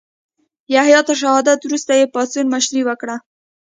یحیی تر شهادت وروسته یې پاڅون مشري وکړه.